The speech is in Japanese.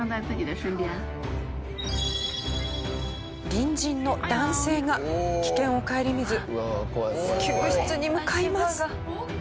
隣人の男性が危険を顧みず救出に向かいます。